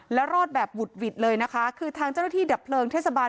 แล้วรอดแบบบุดหวิดเลยนะคะคือทางเจ้าหน้าที่ดับเพลิงเทศบาล